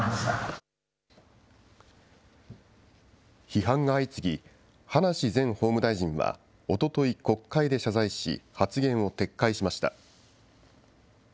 批判が相次ぎ、葉梨前法務大臣はおととい、国会で謝罪し、発言を撤回しました。